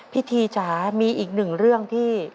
ทีจ๋ามีอีกหนึ่งเรื่องที่